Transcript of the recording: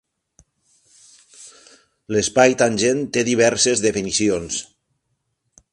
L'espai tangent té diverses definicions.